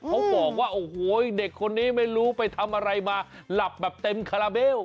เขาบอกว่าโอ้โหเด็กคนนี้ไม่รู้ไปทำอะไรมาหลับแบบเต็มคาราเบล